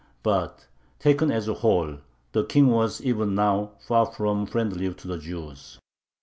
But, taken as a whole, the King was even now far from friendly to the Jews.